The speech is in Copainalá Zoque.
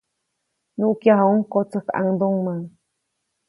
Nuʼkyajuʼuŋ kotsäjkʼaŋduŋmä.